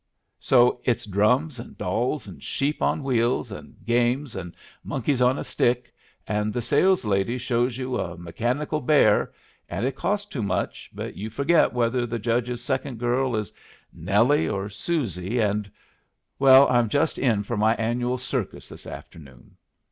So it's drums, and dolls, and sheep on wheels, and games, and monkeys on a stick, and the saleslady shows you a mechanical bear, and it costs too much, and you forget whether the Judge's second girl is Nellie or Susie, and well, I'm just in for my annual circus this afternoon!